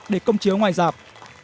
để công chiếu ngoài dạp